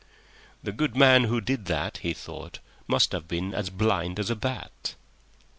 "The good man who did that," he thought, "must have been as blind as a bat."